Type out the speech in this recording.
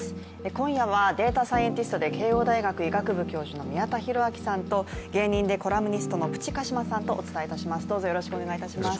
今夜はデータサイエンティストで慶応大学医学部教授の宮田裕章さんと芸人でコラムニストのプチ鹿島さんとお伝えします。